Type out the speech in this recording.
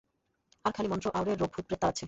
আর খালি মন্ত্র আওড়ে রোগ ভূত প্রেত তাড়াচ্ছে।